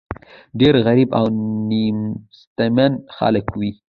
ډېر غریب او نېستمن خلک وي.